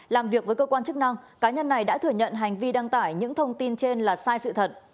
làm việc với cơ quan chức năng cá nhân này đã thừa nhận hành vi đăng tải những thông tin trên là sai sự thật